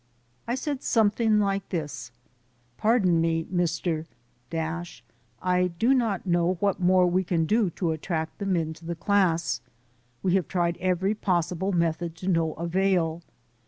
I said something like this: "Pardon me, Mr , I do not know what more we can do to attract the men to the class. We have tried every possible method to no avail.